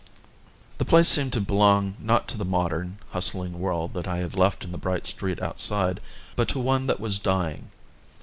The place seemed to belong not to the modern, hustling world that I had left in the bright street outside, but to one that was dying.